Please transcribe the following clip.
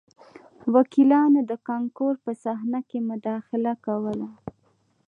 وکیلانو د کانکور په صحنه کې مداخله کوله